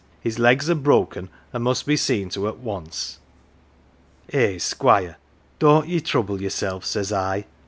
' His legs are broken, and must be seen to at once. 1 "' Eh, Squire don't ye trouble yourself, 1 says I.